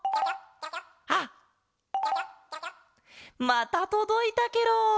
またとどいたケロ！